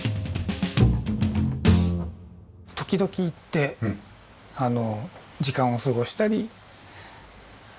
時々行って時間を過ごしたりはい。